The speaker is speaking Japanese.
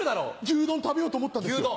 牛丼食べようと思ったんですよ。